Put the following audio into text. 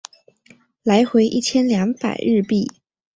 来回一千两百日币